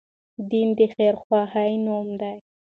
دين د خير خواهي نوم دی